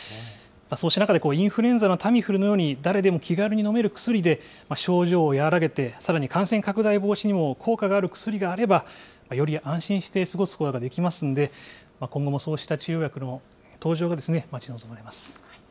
そうした中で、インフルエンザのタミフルのように、誰でも気軽に飲める薬で症状を和らげて、さらに感染拡大防止にも効果がある薬があれば、より安心して過ごすことができますので、今後もそうした治療薬の登場が待ち望まれます。